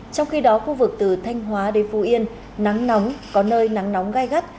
trong khi đó khu vực từ thanh hóa đến phú yên nắng nóng có nơi nắng nóng gai gắt